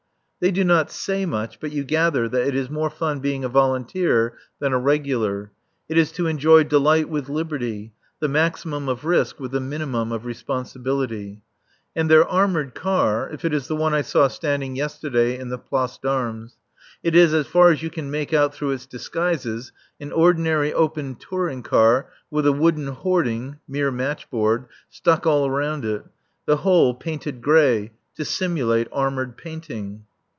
They do not say much, but you gather that it is more fun being a volunteer than a regular; it is to enjoy delight with liberty, the maximum of risk with the minimum of responsibility. And their armoured car if it is the one I saw standing to day in the Place d'Armes it is, as far as you can make out through its disguises, an ordinary open touring car, with a wooden hoarding (mere matchboard) stuck all round it, the whole painted grey to simulate, armoured painting.